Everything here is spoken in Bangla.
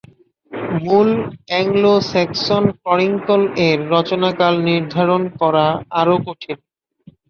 মূল "অ্যাংলো-স্যাক্সন ক্রনিকল"-এর রচনাকাল নির্ধারণ করা আরও কঠিন।